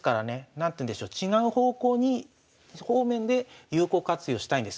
何ていうんでしょう違う方向に方面で有効活用したいんです。